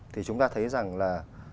thì chúng ta thấy rằng là